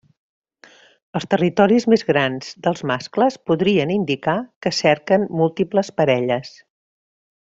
Els territoris més grans dels mascles podrien indicar que cerquen múltiples parelles.